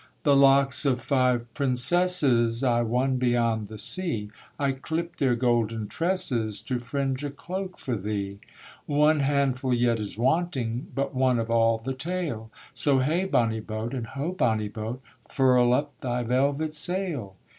'The locks of five princesses I won beyond the sea; I clipt their golden tresses, To fringe a cloak for thee. One handful yet is wanting, But one of all the tale; So hey bonny boat, and ho bonny boat! Furl up thy velvet sail!'